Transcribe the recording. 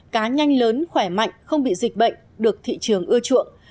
cá nhanh lớn khỏe mạnh không bị dịch bệnh được thị trường ưa chuộng